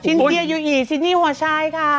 ชิ้นเกียร์อยู่อีชิ้นนี่หัวชายค่ะ